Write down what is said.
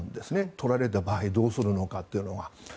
取られた場合どうするかというのは。